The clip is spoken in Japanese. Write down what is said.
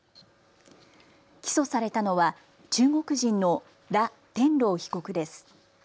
起訴されたのは中国人の羅天朗被告です。